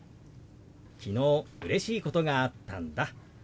「昨日うれしいことがあったんだ」。